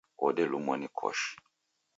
Wodelumwa ni koshi